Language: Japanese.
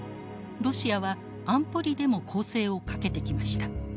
ロシアは安保理でも攻勢をかけてきました。